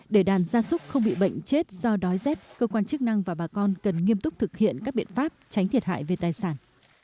để đàn gia súc không bị bệnh chết do đói rét cơ quan chức năng và bà con cần nghiêm túc thực hiện các biện pháp tránh thiệt hại về tài sản